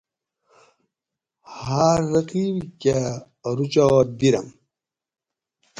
ہاۤر رقیب کہ رُچات بِیرم